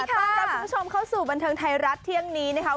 ต้อนรับคุณผู้ชมเข้าสู่บันเทิงไทยรัฐเที่ยงนี้นะคะ